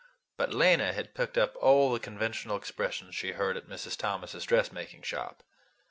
But Lena had picked up all the conventional expressions she heard at Mrs. Thomas's dressmaking shop.